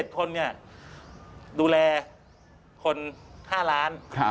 ๗คนดูแลคน๕ล้าน